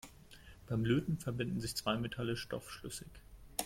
Beim Löten verbinden sich zwei Metalle stoffschlüssig.